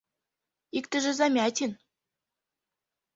— Иктыже Замятин.